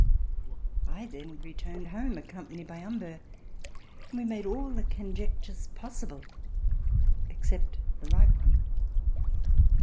I then returned home accompanied by Humbert and we made all the conjectures possible except the right one.